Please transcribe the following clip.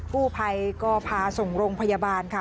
กู้ภัยก็พาส่งโรงพยาบาลค่ะ